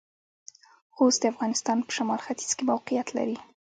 خوست د افغانستان پۀ شمالختيځ کې موقعيت لري.